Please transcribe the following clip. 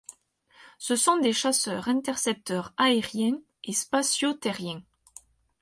Ce sont des chasseurs intercepteurs aériens et spatiaux terriens.